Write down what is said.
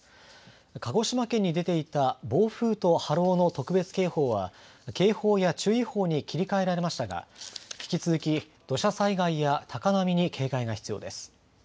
鹿児島県に出ていた暴風と波浪の特別警報は警報や注意報に切り替えられましたが引き続き土砂災害や高波に警戒が必要です。